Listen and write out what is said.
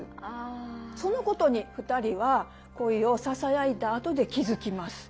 そのことに２人は恋をささやいたあとで気付きます。